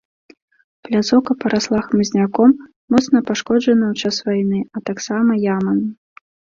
Пляцоўка парасла хмызняком, моцна пашкоджана ў час вайны, а таксама ямамі.